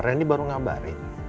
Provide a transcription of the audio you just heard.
rendy baru ngabarin